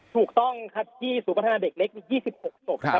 ถูกต้องครับที่ศูนย์พัฒนาเด็กเล็กมี๒๖ศพนะครับ